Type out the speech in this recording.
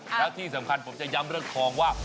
แล้วที่สำคัญผมจะย้ำเรื่องทองว่า